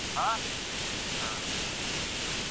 که په ټولنه کي مينه خپره سي، کينه به ختمه سي.